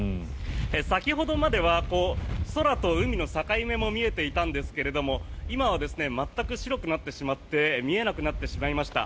先ほどまでは空と海の境目も見えていたんですが今は全く白くなってしまって見えなくなってしまいました。